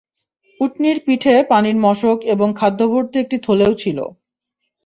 উটনীর পিঠে পানির মশক এবং খাদ্যভর্তি একটি থলেও ছিল।